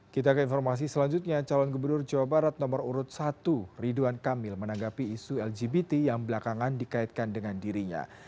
kita ke informasi selanjutnya calon gubernur jawa barat nomor urut satu ridwan kamil menanggapi isu lgbt yang belakangan dikaitkan dengan dirinya